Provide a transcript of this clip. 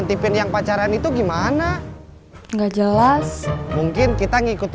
sebelum melakukan tindakan apapun kasih tahu saya dulu